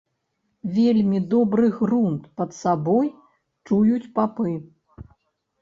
Вельмі добры грунт пад сабой чуюць папы.